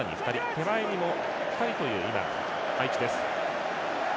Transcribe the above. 手前にも２人という配置です。